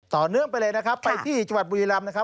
ต่อเนื่องไปเลยไปที่จัวร์บุรีรำ